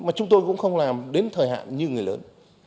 mà chúng tôi cũng không làm đến thời hạn như người lớn